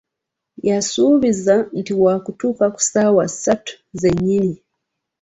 Yasuubiza nti waakutuuka ku ssaawa ssatu ze nnyini.